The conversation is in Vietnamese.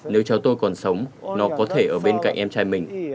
nếu cháu tôi còn sống nó có thể ở bên cạnh em trai mình